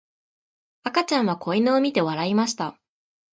赤ちゃんは子犬を見て笑いました。